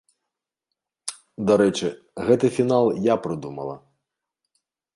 Дарэчы, гэты фінал я прыдумала!